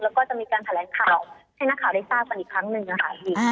แล้วก็จะมีการแถลงข่าวให้นักข่าวได้ทราบกันอีกครั้งหนึ่งค่ะ